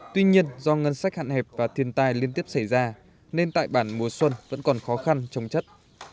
tuy nhiên do ngân sách hạn hẹp và thiền tài liên tiếp xảy ra nên tại bản mùa xuân vẫn còn khó khăn trống chất